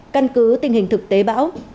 một căn cứ tình hình thực tế bão